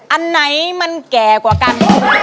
อันไหนมันแก่กว่ากัน